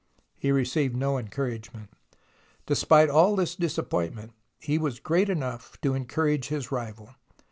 He received no encouragement. Despite all this disappointment, he was great enough to encourage his rival.